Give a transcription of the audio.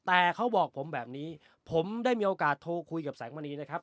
แต่เขาบอกผมแบบนี้ผมได้มีโอกาสโทรคุยกับแสงมณีนะครับ